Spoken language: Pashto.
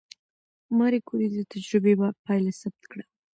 ماري کوري د تجربې پایله ثبت کړه.